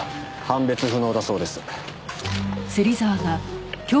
判別不能だそうです。